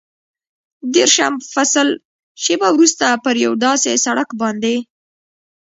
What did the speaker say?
دېرشم فصل، شېبه وروسته پر یو داسې سړک باندې.